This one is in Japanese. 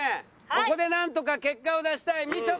ここでなんとか結果を出したいみちょぱ。